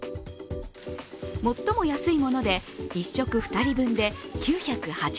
最も安いもので１食２人分で９８０円。